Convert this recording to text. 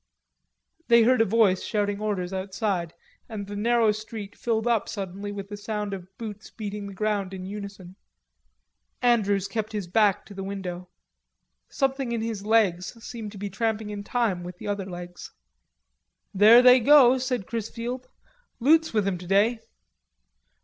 They heard a voice shouting orders outside and the narrow street filled up suddenly with a sound of boots beating the ground in unison. Andrews kept his back to the window. Something in his legs seemed to be tramping in time with the other legs. "There they go," said Chrisfield. "Loot's with 'em today....